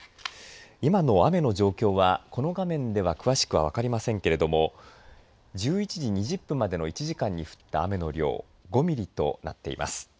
今の雨の状況はこの画面では詳しくは分かりませんけれども１１時２０分までの１時間に降った雨の量５ミリとなっています。